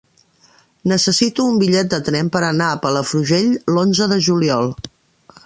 Necessito un bitllet de tren per anar a Palafrugell l'onze de juliol.